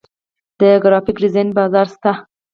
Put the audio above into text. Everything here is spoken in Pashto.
د ګرافیک ډیزاین بازار شته